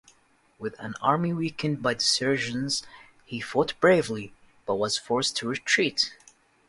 With an army weakened by desertions, he fought bravely but was forced to retreat.